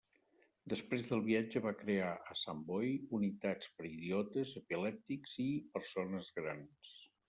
Després del viatge va crear a Sant Boi unitats per idiotes, epilèptics i persones grans.